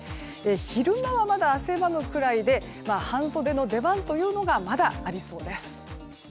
昼間は、まだ汗ばむくらいで半袖の出番がまだありそうです。